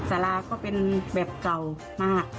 สาราก็เป็นแบบเก่ามาก